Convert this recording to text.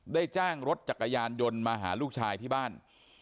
ได้จ้างรถจักรยานยนต์มาหาลูกชายที่บ้าน